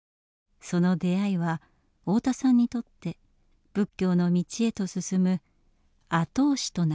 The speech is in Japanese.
その出会いは太田さんにとって仏教の道へと進む後押しとなりました。